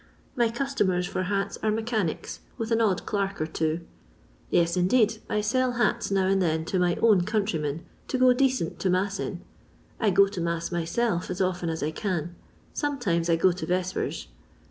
My customers for hats are mechanics, with an odd clerk or two. Yes, indeed, I sell hats now and then to my own countrymen to go decent to mass in. I go to nmss myself as often as I can ; sometimes I go to vespers.